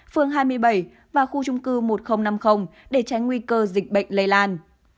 phương hai mươi bảy và khu trung cư một nghìn năm mươi để tránh nguy cơ dịch bệnh lây lan